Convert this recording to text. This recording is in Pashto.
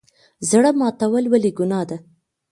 زړه ماتول ولې ګناه ده؟